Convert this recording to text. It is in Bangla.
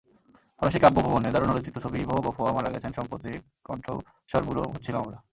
ফরাসি কাব্যভুবনে দারুণ আলোচিত কবি ইভো বঁফোয়া মারা গেছেন সম্প্রতিকণ্ঠস্বরবুড়ো হচ্ছিলাম আমরা।